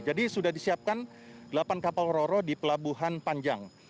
jadi sudah disiapkan delapan kapal roro di pelabuhan panjang